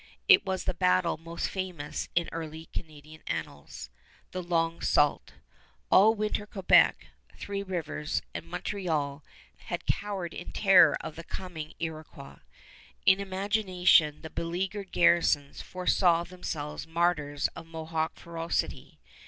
It was the battle most famous in early Canadian annals the Long Sault. All winter Quebec, Three Rivers, and Montreal had cowered in terror of the coming Iroquois. In imagination the beleaguered garrisons foresaw themselves martyrs of Mohawk ferocity.